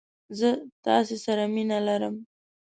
زه تاسې سره مينه ارم!